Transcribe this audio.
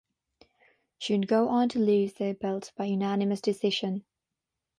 She would go on to lose the belt by unanimous decision.